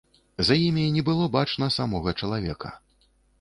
І за імі не было бачна самога чалавека.